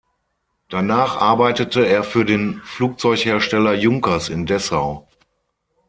Danach arbeitete er für den Flugzeughersteller Junkers in Dessau.